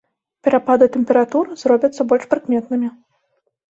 Перапады тэмператур зробяцца больш прыкметнымі.